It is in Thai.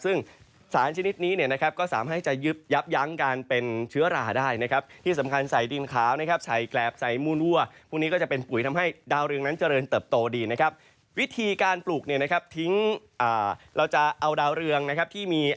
ซึ่งสารชนิดนี้เนี่ยนะครับก็สามารถที่จะยึบยับยั้งการเป็นเชื้อราได้นะครับ